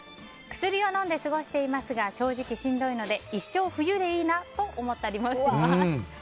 薬を飲んで過ごしていますが正直しんどいので一生、冬でいいなと思ったりもします。